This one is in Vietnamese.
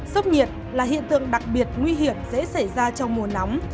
sốc nhiệt là hiện tượng đặc biệt nguy hiểm dễ xảy ra trong mùa nóng